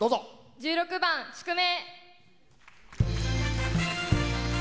１６番「宿命」。